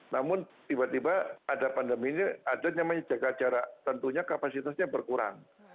namun tiba tiba ada pandemi ini ada namanya jaga jarak tentunya kapasitasnya berkurang